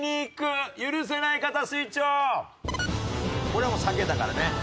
これはもう避けたからね。